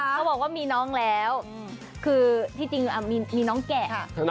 เขาบอกว่ามีน้องแล้วคือที่จริงมีน้องแกะ